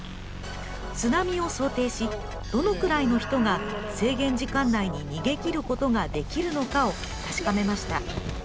津波を想定し、どのくらいの人が制限時間内に逃げ切ることができるのかを確かめました。